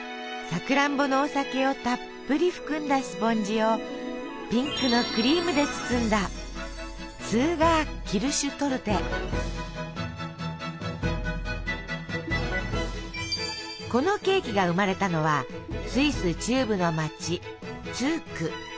さくらんぼのお酒をたっぷり含んだスポンジをピンクのクリームで包んだこのケーキが生まれたのはスイス中部の街ツーク。